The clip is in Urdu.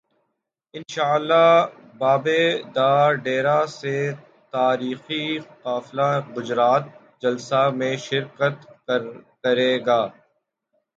انشا ءاللہ بابے دا ڈیرہ سے تا ریخی قافلہ گجرات جلسہ میں شر کت کر ے گا